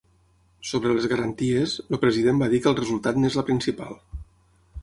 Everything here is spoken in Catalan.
Sobre les garanties, el president va dir que el resultat n’és la principal.